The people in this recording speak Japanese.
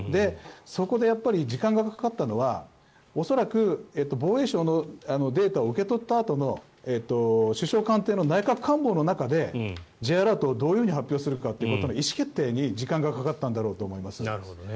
そこで時間がかかったのは恐らく、防衛省のデータを受け取ったあとの首相官邸の内閣官房の中でＪアラートをどういうふうに発表するかという意思決定に時間がかかったんだろうと思います。